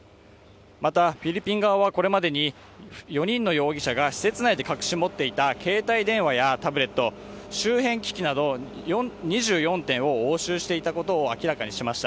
また、フィリピン側はこれまでに４人の容疑者が施設内で隠し持っていた携帯電話やタブレット、周辺機器など２４点を押収していたことを明らかにしました。